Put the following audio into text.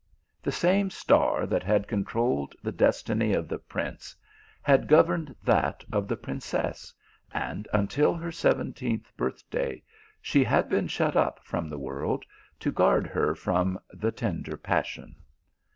The same star that had controlled the destiny of the prince, had governed that of the princess, and until her seven teenth birth day, she had been shut up from the world, to guard her from the tender passion.